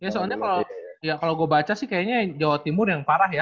ya soalnya kalau gue baca sih kayaknya jawa timur yang parah ya